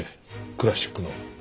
クラシックの。